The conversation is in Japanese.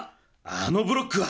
あのブロックは。